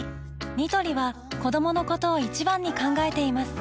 ニトリは子どものことを一番に考えています